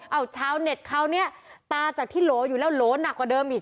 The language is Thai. เอาชาวเน็ตเขาเนี่ยตาจากที่โหลอยู่แล้วโหลหนักกว่าเดิมอีก